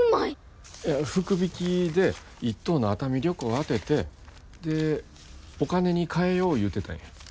いや福引きで１等の熱海旅行当ててでお金に換えよう言うてたんや。